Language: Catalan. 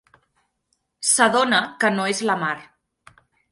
S'adona que no és la Mar.